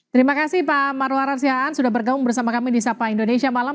terima kasih pak marwar siaan sudah bergabung bersama kami di sapa indonesia malam